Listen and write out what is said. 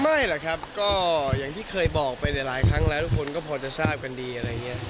ไม่แหละครับก็อย่างที่เคยบอกไปหลายครั้งแล้วทุกคนก็พอจะทราบกันดีอะไรอย่างนี้